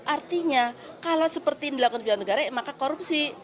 artinya kalau seperti ini dilakukan kebijakan negara maka korupsi